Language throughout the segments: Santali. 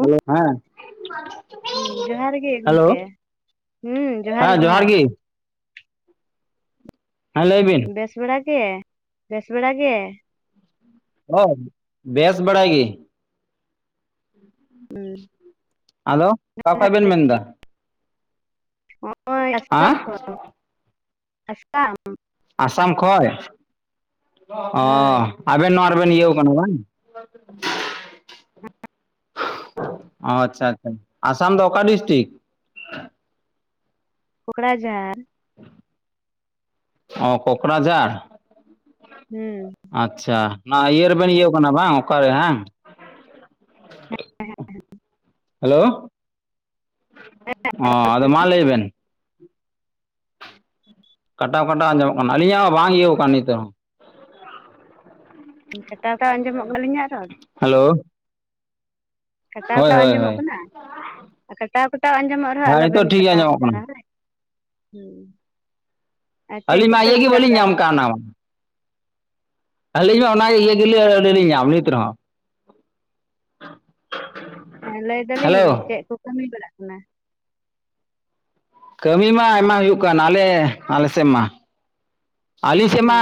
ᱦᱮᱞᱳ, ᱦᱮᱸ ᱦᱩᱸ ᱡᱚᱦᱟᱨ ᱜᱮ ᱦᱮᱞᱳ ᱜᱚᱢᱠᱮ ᱦᱮᱸ ᱡᱚᱦᱟᱨ ᱜᱤ ᱦᱮᱸ ᱞᱟᱹᱭ ᱵᱤᱱ ᱵᱮᱥ ᱵᱮᱲᱟ ᱜᱮ ᱵᱮᱥ ᱵᱮᱲᱟ ᱜᱮ ᱦᱳᱭ ᱵᱮᱥ ᱵᱟᱲᱟ ᱜᱤ ᱦᱩᱸ ᱟᱫᱚ ᱚᱠᱟ ᱠᱷᱚᱡ ᱵᱮᱱ ᱢᱮᱱᱫᱟ? ᱱᱚᱜᱼᱚᱭ ᱟᱥᱴᱷᱟᱢ ᱦᱮᱸ ᱠᱷᱚᱱ ᱟᱥᱟᱢ ᱟᱥᱟᱢ ᱠᱷᱚᱡ ᱚ ᱦᱳᱭ ᱟᱵᱮᱱ ᱱᱚᱣᱟ ᱨᱮᱵᱮᱱ ᱤᱭᱟᱹᱣ ᱠᱟᱱᱟ ᱵᱟᱝ ᱟᱪᱪᱷᱟ ᱟᱪᱪᱷᱟ ᱟᱥᱟᱢ ᱫᱚ ᱚᱠᱟ ᱰᱤᱥᱴᱤᱠ ᱯᱚᱠᱲᱟ ᱡᱷᱟᱨ ᱚ ᱠᱚᱠᱨᱟᱡᱟᱨ ᱦᱩᱸ ᱟᱪᱪᱷᱟ ᱱᱚᱣᱟ ᱤᱭᱟᱹ ᱨᱮᱵᱮᱱ ᱤᱭᱟᱹᱣ ᱠᱟᱱᱟ ᱵᱟᱝ ᱚᱠᱟᱨᱮ ᱵᱟᱝ ᱦᱮᱞᱳ ᱚ ᱟᱫᱚ ᱢᱟ ᱞᱟᱹᱭ ᱵᱮᱱ ᱠᱟᱴᱟᱣ ᱠᱟᱴᱟᱣ ᱟᱸᱡᱚᱢᱚᱜ ᱠᱟᱱᱟ ᱟᱹᱞᱤᱧᱟᱜ ᱦᱚᱸ ᱵᱟᱝ ᱤᱭᱟᱹ ᱠᱟᱱᱟ ᱱᱤᱛ ᱦᱚᱸ ᱠᱟᱴᱟᱣ ᱠᱟᱴᱟᱣ ᱟᱸᱡᱚᱢᱚᱜ ᱠᱟᱱᱟ ᱟᱹᱞᱤᱧᱟᱜ ᱨᱚᱲ ᱦᱮᱞᱳ ᱠᱟᱴᱟᱣ ᱦᱳᱭ ᱠᱟᱴᱟᱣ ᱦᱳᱭ ᱟᱸᱡᱚᱢᱚᱜ ᱦᱳᱭ ᱠᱟᱱᱟ ᱟᱨ ᱠᱟᱴᱟᱣ ᱠᱟᱴᱟᱣ ᱟᱸᱡᱚᱢᱚᱜ ᱨᱮᱦᱚᱸ ᱦᱮᱸ ᱱᱤᱛᱚᱜ ᱟᱞᱚᱵᱮᱱ ᱴᱷᱤᱠ ᱜᱮ ᱠᱟᱴᱟᱣ ᱟᱸᱡᱚᱢᱚᱜ ᱠᱟᱱᱟ ᱦᱟᱛᱟᱲᱟ ᱦᱳᱭ ᱦᱤᱸ ᱟᱨ ᱪᱮᱫ ᱟᱹᱞᱤᱧ ᱢᱟ ᱠᱚᱯᱮ ᱤᱭᱟᱹ ᱜᱮ ᱪᱮᱠᱟ ᱵᱟᱹᱞᱤᱧ ᱧᱟᱢ ᱵᱟᱲᱟᱭᱫᱟ? ᱠᱟᱜ ᱚᱱᱟ ᱢᱟ ᱟᱹᱞᱤᱧ ᱢᱟ ᱚᱱᱟ ᱤᱭᱟᱹ ᱜᱮᱞᱤ ᱟᱹ ᱞᱤᱧ ᱧᱟᱢ ᱱᱤᱛ ᱨᱮᱦᱚᱸ ᱦᱮᱸ ᱞᱟᱹᱭ ᱦᱮᱞᱳ ᱫᱟᱞᱤᱧ ᱪᱮᱫ ᱠᱚ ᱠᱟᱹᱢᱤ ᱵᱟᱲᱟᱜ ᱠᱟᱱᱟ ᱠᱟᱹᱢᱤ ᱢᱟ ᱟᱭᱢᱟ ᱦᱩᱭᱩᱜ ᱠᱟᱱ ᱟᱞᱮ ᱟᱞᱮ ᱥᱮᱫ ᱢᱟ ᱟᱹᱞᱤᱧ ᱥᱮᱫ ᱦᱩᱸ ᱢᱟ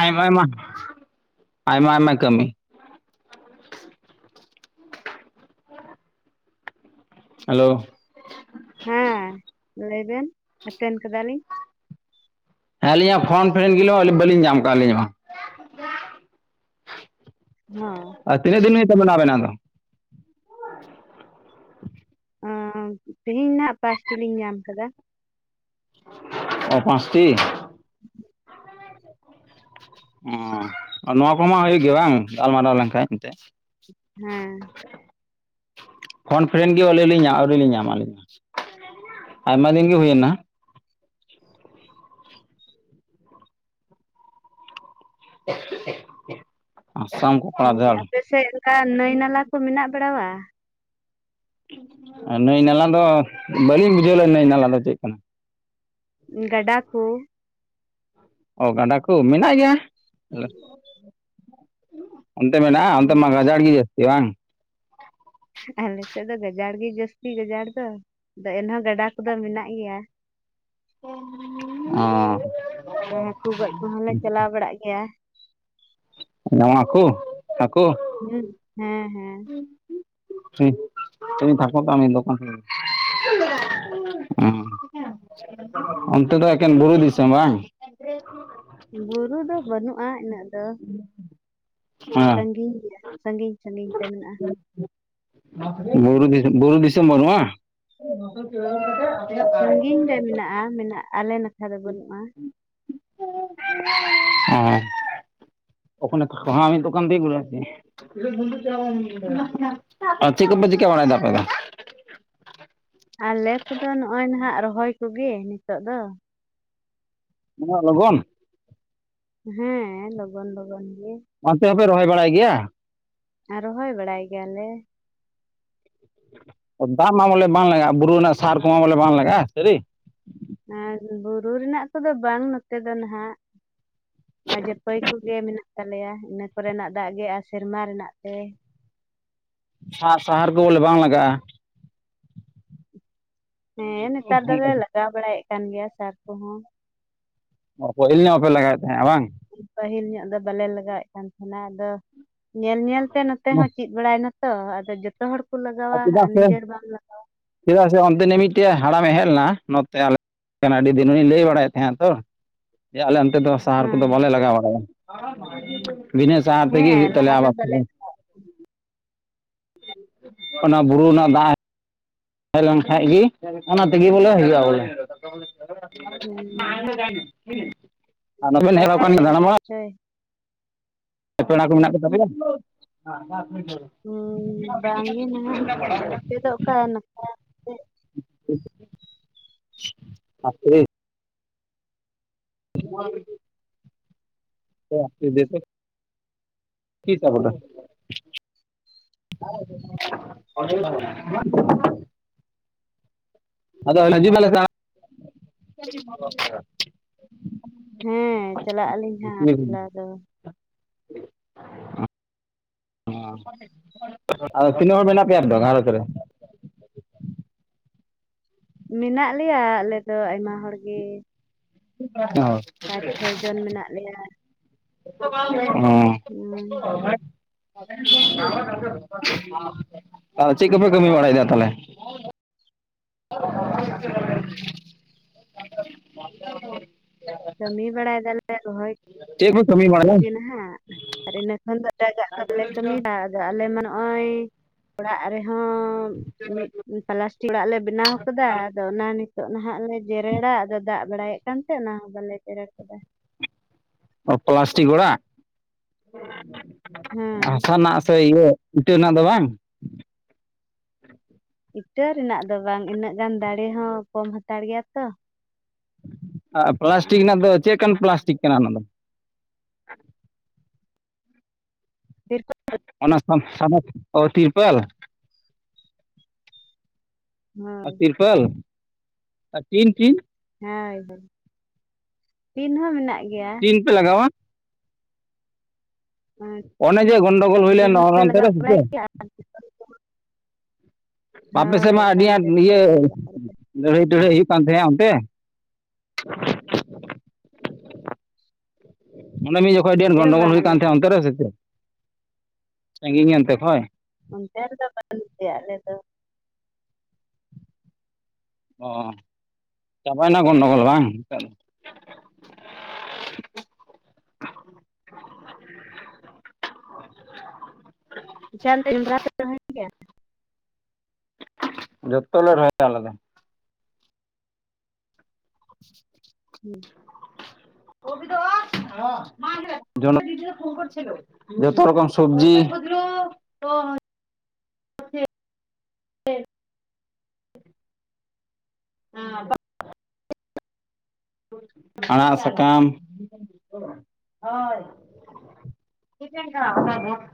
ᱟᱭᱢᱟ ᱟᱭᱢᱟ ᱟᱭᱢᱟ ᱟᱭᱢᱟ ᱠᱟᱹᱢᱤ ᱦᱮᱞᱳ ᱦᱮᱸ ᱞᱟᱹᱭᱵᱤᱱ ᱟᱛᱮᱱ ᱠᱟᱫᱟᱞᱤᱧ ᱦᱮᱸ ᱟᱹᱞᱤᱧᱟᱜ ᱯᱷᱚᱱ ᱯᱨᱮᱱᱰ ᱜᱮ ᱤᱞᱚ ᱵᱟ. ᱞᱤᱧ ᱧᱟᱢ ᱠᱟᱜᱼᱟᱞᱤᱧ ᱢᱟ ᱦᱟᱸ ᱟᱨ ᱛᱤᱱᱟᱹᱜ ᱫᱤᱱ ᱠᱷᱚᱱ ᱢᱮᱱᱟᱜ ᱵᱮᱱᱟ ᱟᱫᱚ ᱚᱸ ᱛᱮᱦᱮᱧ ᱱᱷᱟᱜ ᱯᱟᱸᱥᱴᱤ ᱞᱤᱧ ᱧᱟᱢ ᱠᱟᱫᱟ ᱚ ᱯᱟᱸᱥᱴᱤ [unintelligible] ᱚᱸ ᱱᱚᱣᱟ ᱠᱚᱢᱟ ᱦᱩᱭᱩᱜ ᱜᱮᱭᱟ ᱵᱟᱝ ᱜᱟᱞᱢᱟᱨᱟᱣ ᱞᱮᱱᱠᱷᱟᱡ ᱮᱱᱛᱮᱫ ᱦᱮᱸ ᱯᱷᱳᱱ ᱯᱷᱮᱨᱮᱱᱰ ᱜᱮ ᱟᱹᱞᱤᱧ ᱞᱤᱧ ᱟᱹᱣᱨᱤ ᱞᱤᱧ ᱧᱟᱢ ᱟᱹᱞᱤᱧ ᱢᱟ ᱟᱭᱢᱟ ᱫᱤᱱ ᱜᱮ ᱦᱩᱭᱮᱱᱟ [unintelligible] ᱟᱥᱟᱢ ᱠᱚᱠᱲᱟ ᱦᱩᱸ ᱫᱷᱟᱲ ᱟᱯᱮᱥᱮᱫ ᱚᱝᱠᱟ ᱱᱟᱹᱭ ᱱᱟᱞᱟ ᱠᱚ ᱢᱮᱱᱟᱜ ᱵᱟᱲᱟᱣᱟ? ᱟᱨ ᱱᱟᱹᱭ ᱱᱟᱞᱟ ᱫᱚ ᱵᱟᱹᱞᱤᱧ ᱵᱩᱡᱷᱟᱹᱣ ᱞᱮᱜᱼᱟ ᱱᱟᱹᱭ ᱱᱟᱞᱟ ᱫᱚ ᱪᱮᱫ ᱠᱟᱱᱟ ᱜᱟᱰᱟ ᱠᱳ ᱚ ᱜᱟᱰᱟ ᱠᱚ ᱢᱮᱱᱟᱜ ᱜᱮᱭᱟ ᱚᱱᱛᱮ ᱢᱮᱱᱟ ᱟᱛᱮ ᱦᱮᱸ ᱢᱟ ᱜᱟᱡᱟᱲ ᱜᱮ ᱡᱟᱥᱛᱤ ᱵᱟᱝ ᱟᱨ ᱱᱤᱛᱚᱜ ᱫᱚ ᱜᱟᱡᱟᱲ ᱜᱮ ᱡᱟᱹᱥᱛᱤ ᱜᱟᱡᱟᱲ ᱫᱚ ᱟᱫᱚ ᱮᱱᱦᱚᱸ ᱜᱟᱰᱟ ᱠᱚᱫᱚ ᱢᱮᱱᱟᱜ ᱜᱮᱭᱟ ᱚ ᱟᱨ ᱦᱟᱹᱠᱩ ᱜᱚᱡ ᱠᱚᱦᱚᱸᱞᱮ ᱪᱟᱞᱟᱣ ᱵᱟᱲᱟᱜ ᱜᱮᱭᱟ ᱱᱚᱣᱟᱠᱩ ᱦᱟᱠᱩ ᱦᱩᱸ ᱦᱮᱸ ᱦᱮᱸ [unintelligible] ᱚᱱᱛᱮ ᱫᱚ ᱮᱠᱮᱱ ᱵᱩᱨᱩ ᱫᱤᱥᱚᱢ ᱵᱟᱝ [inaudible] ᱵᱩᱨᱩ ᱫᱚ ᱵᱟᱹᱱᱩᱜᱼᱟ ᱤᱱᱟᱹᱜ ᱫᱚ [unintelligible] ᱦᱮᱸ ᱥᱟᱺᱜᱤᱧ ᱜᱮ ᱥᱟᱺᱜᱤᱧ ᱥᱟᱺᱜᱤᱧ ᱛᱮ ᱢᱮᱱᱟᱜᱼᱟ ᱵᱩᱨᱩ ᱵᱩᱨᱩ ᱫᱤᱥᱟᱹᱢ ᱵᱟᱱᱩᱜ ᱟ [inaudible] ᱥᱟᱺᱜᱤᱧ ᱨᱮ ᱢᱮᱱᱟᱜᱼᱟ ᱢᱮᱱᱟᱜ ᱟᱞᱮ ᱱᱟᱠᱷᱟ ᱫᱚ ᱵᱟᱹᱱᱩᱜᱼᱟ [unintelligible] [unintelligible] [inaudible] ᱟᱨ ᱪᱮᱜ ᱠᱚᱯᱮ ᱪᱤᱠᱟᱹ, ᱵᱟᱲᱟ ᱭᱮᱫᱟ ᱟᱯᱮ ᱫᱚ? ᱟᱞᱮ ᱠᱚᱫᱚ ᱱᱚᱜᱼᱭ ᱱᱟᱟᱜ ᱨᱚᱦᱚᱭ ᱠᱚᱜᱮ ᱱᱤᱛᱚᱜ ᱫᱚ ᱩᱱᱟᱹᱜ ᱞᱚᱜᱚᱱ ᱦᱮᱸ ᱞᱚᱜᱚᱱ ᱞᱚᱜᱚᱱ ᱜᱮ ᱚᱱᱛᱮ ᱦᱚᱸᱯᱮ ᱨᱚᱦᱚᱭ ᱵᱟᱲᱟᱭ ᱜᱮᱭᱟ ᱟᱨ ᱨᱚᱦᱚᱭ ᱵᱟᱲᱟᱭ ᱜᱮᱭᱟᱞᱮ ᱫᱟᱜ ᱢᱟ ᱵᱚᱞᱮ ᱵᱟᱝ ᱞᱟᱜᱟᱜᱼᱟ ᱵᱩᱨᱩ ᱨᱮᱱᱟᱜ ᱥᱟᱨ ᱠᱚᱢᱟ ᱵᱚᱞᱮ ᱵᱟᱝ ᱞᱟᱜᱟᱜᱼᱟ ᱥᱟᱹᱨᱤ ᱟᱨ ᱵᱩᱨᱩ ᱨᱮᱱᱟᱜ ᱠᱚᱫᱚ ᱵᱟᱝ ᱱᱚᱛᱮ ᱫᱚ ᱱᱟᱦᱟᱜ ᱱᱟᱡᱮ ᱯᱟᱹᱭ ᱠᱚᱜᱮ ᱢᱮᱱᱟᱜ ᱛᱟᱞᱮᱭᱟ ᱤᱱᱟᱹ ᱠᱚᱨᱮᱱᱟᱜ ᱫᱟᱜ ᱜᱮ ᱟᱨ ᱥᱮᱨᱢᱟ ᱨᱮᱱᱟᱜ ᱛᱮ ᱟᱨ ᱥᱟᱦᱟᱨ ᱠᱚ ᱵᱚᱞᱮ ᱵᱟᱝ ᱞᱟᱜᱟᱜᱼᱟ ᱦᱮᱸ ᱱᱮᱛᱟᱨ ᱫᱚᱞᱮ ᱞᱟᱜᱟᱣ ᱵᱟᱲᱟᱭᱮᱫ ᱠᱟᱱ ᱜᱮᱭᱟ ᱥᱟᱨ ᱠᱚᱦᱚᱸ ᱚᱠᱚᱭᱤᱞ ᱧᱚᱜ ᱵᱟᱯᱮ ᱞᱟᱜᱟᱣᱮᱫ ᱛᱟᱦᱮᱸᱱᱟ ᱵᱟᱝ ᱯᱟᱹᱦᱤᱞ ᱧᱚᱜ ᱫᱚ ᱵᱟᱞᱮ ᱞᱟᱜᱟᱣᱮᱫ ᱠᱟᱱ ᱛᱟᱦᱮᱱᱟ ᱟᱫᱚ ᱧᱮᱞ ᱧᱮᱞ ᱛᱮ ᱱᱚᱛᱮ ᱦᱚᱸ ᱪᱮ ᱵᱟᱲᱟᱭᱱᱟᱛᱚ ᱟᱫᱚ ᱡᱚᱛᱚ ᱦᱚᱲ ᱠᱚ ᱞᱟᱜᱟᱣᱟ ᱪᱮᱫᱟᱜ ᱟᱨ ᱥᱮ ᱱᱤᱡᱮᱨ ᱵᱟᱢ ᱞᱟᱜᱟᱣᱟ ᱪᱮᱫᱟᱜ ᱥᱮ ᱚᱱᱛᱮ ᱱᱤ ᱢᱤᱫᱴᱮᱡ ᱦᱟᱲᱟᱢᱮ ᱦᱮᱡ ᱞᱮᱱᱟ ᱱᱚᱛᱮ ᱟᱞᱮ ᱟᱹᱰᱤ ᱫᱤᱱ ᱦᱩᱧ ᱞᱟᱹᱭ ᱵᱟᱲᱟᱭᱮᱫ ᱛᱟᱦᱮᱸᱱᱟ ᱛᱚ ᱡᱮ ᱟᱞᱮ ᱚᱱᱛᱮ ᱫᱚ ᱥᱟᱦᱟᱨ ᱦᱮᱸ ᱠᱚᱫᱚ ᱵᱟᱞᱮ ᱞᱟᱜᱟᱣ ᱵᱟᱲᱟᱭᱟ ᱵᱤᱱᱟᱹ ᱥᱟᱦᱟᱨ ᱦᱮᱸ ᱛᱮᱜᱮ ᱦᱮᱸ ᱦᱩᱭᱩᱜ ᱛᱟᱞᱮᱭᱟ ᱞᱟᱦᱟ ᱫᱚ ᱟᱵ ᱵᱟᱞᱮ ᱚᱱᱟ ᱵᱩᱨᱩ ᱨᱮᱱᱟᱜ ᱫᱟᱜ ᱦᱮᱡ ᱞᱮᱱ ᱠᱷᱟᱡ ᱜᱮ ᱚᱱᱟ ᱛᱮᱜᱮ ᱵᱚᱞᱮ ᱦᱤᱡᱩᱜᱼᱟ ᱵᱚᱞᱮ ᱦᱩᱸ, ᱚᱠᱟ ᱥᱮᱫ ᱨᱮᱱ ᱠᱟᱱ [inaudible] ᱪᱚᱭ ᱯᱮᱲᱟ ᱠᱚ ᱢᱮᱱᱟᱜ ᱠᱚᱛᱟ ᱯᱮᱭᱟ ᱦᱳᱭ ᱵᱟᱝᱜᱮ ᱱᱟᱦᱟᱜ ᱟᱯᱮ ᱫᱚ ᱚᱠᱟ ᱱᱟᱠᱟᱭ [unintelligible] [unintelligible] ᱮ ᱫᱮᱠᱳ [unintelligible] ᱠᱟᱹᱭ ᱛᱟᱵᱚᱱᱟ ᱾ [unintelligible] [unintelligible] ᱦᱮᱸ ᱪᱟᱞᱟᱜ ᱟᱹᱞᱤᱧ ᱦᱟᱸᱜ ᱪᱟᱞᱟᱣ ᱫᱚ [inaudible] ᱟᱫᱚ ᱛᱤᱱᱟᱹᱜ ᱦᱚᱲ ᱢᱮᱱᱟᱜ ᱯᱮᱭᱟ ᱟᱫᱚ ᱜᱷᱟᱨᱚᱸᱡᱽ ᱨᱮ ᱢᱮᱱᱟᱜ ᱞᱮᱭᱟ ᱟᱞᱮ ᱫᱚ ᱟᱭᱢᱟ ᱦᱚᱲ ᱜᱮ ᱚ [unintelligible] ᱾ ᱯᱟᱸᱪ ᱪᱷᱚᱭ ᱡᱚᱱ ᱢᱮᱱᱟᱜ ᱞᱮᱭᱟ ᱦᱮ ᱦᱩᱸ, [inaudible] ᱟᱨ ᱪᱮᱫ ᱠᱚᱯᱮ ᱠᱟᱹᱢᱤ ᱵᱟᱲᱟᱭᱮᱫᱟ ᱛᱟᱞᱦᱮ ᱠᱟᱹᱢᱤ ᱵᱟᱲᱟᱭ ᱫᱟᱞᱮ ᱨᱚᱦᱚᱭ ᱪᱮᱫ ᱯᱮ ᱠᱟᱹᱢᱤ ᱵᱟᱲᱟᱭᱟ ᱠᱩᱜᱤ ᱱᱟᱦᱸᱜ ᱟᱨ ᱤᱱᱟᱹ ᱠᱷᱚᱱ ᱫᱚ ᱮᱴᱟᱜᱟᱜ ᱠᱚᱞᱮ ᱠᱟᱹᱢᱟ ᱟᱫᱚ ᱟᱞᱮ ᱢᱟ ᱱᱚᱜᱼᱚᱭ ᱚᱲᱟᱜ ᱨᱮᱦᱚᱸ ᱢᱤᱫ ᱯᱞᱟᱥᱴᱤᱠ ᱚᱲᱟᱜ ᱞᱮ ᱵᱮᱱᱟᱣ ᱠᱟᱫᱟ ᱟᱨ ᱫᱚ ᱚᱱᱟ ᱱᱤᱛᱚᱜ ᱱᱟᱦᱟᱜ ᱞᱮ ᱡᱮᱨᱮᱲᱟ ᱟᱫᱚ ᱫᱟᱜ ᱵᱟᱲᱟᱭᱮᱫ ᱠᱟᱱᱛᱮ ᱚᱱᱟ ᱦᱚᱸ ᱵᱟᱞᱮ ᱡᱮᱨᱮᱲ ᱠᱟᱫᱟ ᱯᱞᱟᱥᱴᱤᱠ ᱚᱲᱟᱜ ᱦᱮᱸ ᱦᱟᱥᱟ ᱨᱮᱱᱟᱜ ᱥᱮ ᱤᱭᱟᱹ ᱤᱴᱟᱹ ᱨᱮᱱᱟᱜ ᱫᱚ ᱵᱟᱝ ᱤᱴᱟᱹ ᱨᱮᱱᱟᱜ ᱫᱚ ᱵᱟᱝ ᱤᱱᱟᱹᱜ ᱜᱟᱱ ᱫᱟᱲᱮ ᱦᱚᱸ ᱠᱚᱢ ᱦᱟᱛᱟᱲ ᱜᱮᱭᱟ ᱛᱚ ᱟ ᱯᱞᱟᱥᱴᱤᱠ ᱨᱮᱱᱟᱜ ᱚᱱᱟᱛᱮ ᱫᱚ ᱪᱮᱫ ᱠᱟᱱ ᱯᱞᱟᱥᱴᱤᱠ ᱠᱟᱱᱟ ᱚᱱᱟ ᱫᱚ ᱛᱤᱨᱯᱚᱞ, ᱚᱱᱟ ᱥᱟ [unintelligible] ᱛᱤᱨᱯᱟᱹᱞ ᱟ ᱦᱳᱭ ᱛᱤᱨᱯᱟᱹᱞ ᱟᱨ ᱴᱤᱱ ᱴᱤᱱ ᱦᱮᱸ ᱦᱟᱹᱭ ᱴᱤᱱ ᱦᱚᱸ ᱢᱮᱱᱟᱜ ᱜᱮᱭᱟ ᱴᱤᱱ ᱯᱮ ᱞᱟᱜᱟᱣᱟ ᱚᱱᱮ ᱡᱮ ᱜᱚᱱᱰᱳᱜᱳᱞ ᱦᱩᱭ ᱞᱮᱱ ᱴᱤᱱ ᱚᱱᱟ ᱦᱚᱸᱞᱮ ᱦᱚᱱᱛᱮ ᱞᱟᱜᱟᱣ ᱨᱮ ᱥᱮ ᱵᱟᱲᱟᱭ ᱪᱮᱫ ᱜᱮᱭᱟ ᱟᱨ ᱟᱯᱮ ᱥᱮᱫ ᱢᱟ ᱦᱳᱭ ᱟᱹᱰᱤ ᱨᱟᱱ ᱟᱸᱴ ᱤᱭᱟᱹ ᱛᱮᱨᱯᱚᱞ ᱞᱮ ᱞᱟᱜᱟᱣ ᱞᱮᱫᱟ ᱞᱟᱹᱲᱦᱟᱹᱭ ᱴᱟᱹᱲᱦᱟᱹᱭ ᱦᱩᱭᱩᱜ ᱠᱟᱱ ᱛᱟᱦᱮᱸᱜ-ᱟ ᱚᱱᱛᱮ ᱚᱸᱰᱮ ᱢᱤᱫ ᱡᱚᱠᱷᱚᱡ ᱟᱹᱰᱤ ᱟᱸᱴ ᱱᱚᱛᱮ ᱫᱚ ᱜᱚᱱᱰᱜᱳᱞ ᱵᱟᱝ ᱦᱩᱭ ᱟᱞᱮ ᱠᱟᱱ ᱫᱚ ᱛᱟᱸᱦᱮᱱᱟ ᱚᱱᱛᱮ ᱨᱮ ᱥᱮᱫ ᱥᱟᱺᱜᱤᱧ ᱮᱱᱛᱮ ᱠᱷᱚᱭ ᱚᱱᱛᱮ ᱨᱮᱫᱚ ᱛᱟᱦᱮᱱ ᱜᱮᱭᱟ ᱟᱞᱮ ᱫᱚ ᱚ ᱪᱟᱵᱟᱭᱱᱟ ᱜᱚᱱᱰᱚᱜᱚᱞ ᱵᱟᱝ ᱟᱪᱪᱷᱟ ᱫᱚ ᱡᱚᱸᱰᱨᱟ ᱛᱟᱸᱦᱮᱱ ᱜᱮᱭᱟ [unintelligible] ᱡᱚᱛᱚ ᱞᱮ ᱨᱚᱦᱚᱭᱟ ᱟᱞᱮ ᱫᱚ ᱦᱩᱸ [unintelligible] ᱡᱚᱛᱚ ᱨᱚᱠᱚᱢ ᱥᱚᱵᱡᱤ ᱦᱮᱸ [unintelligible] ᱦ [unintelligible] ᱟᱲᱟᱜ ᱥᱟᱠᱟᱢ [unintelligible]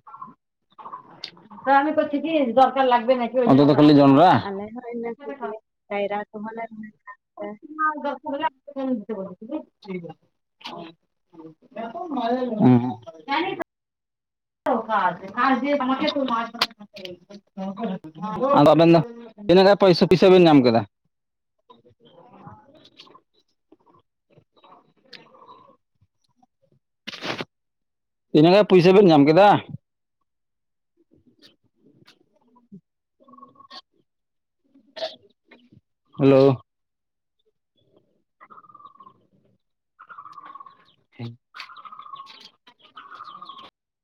ᱛ ᱟᱢᱮ ᱠᱤ‌ᱴᱤᱯᱷᱤᱱ ᱫᱚᱨᱠᱟᱨ ᱞᱟᱜᱽᱱᱮᱱᱟ ᱠᱤ, ᱱᱤᱛᱳᱜ ᱫᱚ ᱠᱷᱟᱞᱤ ᱡᱚᱢ ᱟᱞᱮ ᱦᱚᱸ ᱤᱱᱟᱹ ᱠᱚᱜᱮ ᱠᱟᱭᱨᱟ ᱠᱚᱦᱚᱸᱞᱮ ᱨᱚᱦ [unintelligible] ᱦᱚᱸ [inaudible] [unintelligible] ᱟᱫᱚ ᱟᱵᱮᱱ ᱫᱚ ᱛᱤᱱᱟᱹᱜᱟᱱ ᱯᱚᱭᱥᱟ ᱯᱩᱭᱥᱟᱹ ᱵᱮᱱ ᱧᱟᱢ ᱠᱮᱫᱟ? [inaudible] ᱛᱤᱱᱟᱹᱜ ᱜᱟᱡ ᱯᱩᱭᱥᱟᱹ ᱵᱮᱱ ᱧᱟᱢ ᱠᱮᱫᱟ ᱦᱳᱞᱳ ᱦᱩᱸ